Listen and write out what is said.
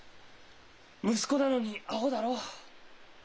息子なのにアホだろ？